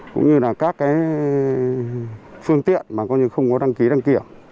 cũng như là các cái phương tiện mà không có đăng ký đăng kiểm